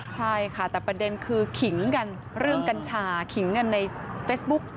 ใช่ค่ะแต่ประเด็นคือขิงกันเรื่องกัญชาขิงกันในเฟซบุ๊ก